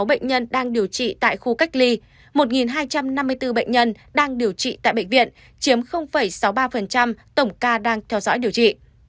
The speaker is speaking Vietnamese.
một trăm năm mươi sáu bệnh nhân đang điều trị tại khu cách ly một hai trăm năm mươi bốn bệnh nhân đang điều trị tại bệnh viện chiếm sáu mươi ba tổng ca đang theo dõi điều trị